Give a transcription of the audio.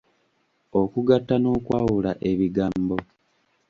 Okugatta n’okwawula ebigambo.